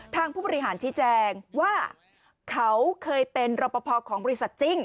ผู้บริหารชี้แจงว่าเขาเคยเป็นรอปภของบริษัทจริง